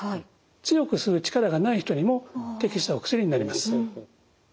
強く吸う力がない人にも適したお薬になります。